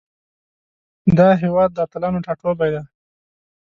دا هیواد د اتلانو ټاټوبی ده.